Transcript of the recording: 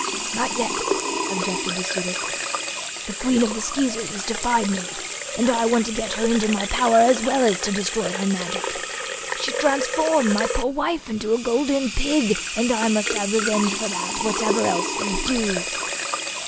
"Not yet," objected the Su dic. "The Queen of the Skeezers has defied me, and I want to get her into my power, as well as to destroy her magic. She transformed my poor wife into a Golden Pig, and I must have revenge for that, whatever else we do."